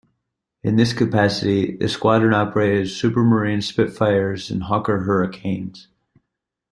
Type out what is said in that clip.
In this capacity, the squadron operated Supermarine Spitfires and Hawker Hurricanes.